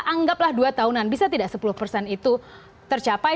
anggaplah dua tahunan bisa tidak sepuluh persen itu tercapai